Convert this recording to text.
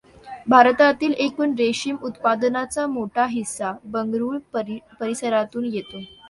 भारतातील एकूण रेशीम उत्पादनाचा मोठा हिस्सा बंगळूर परिसरातून येतो.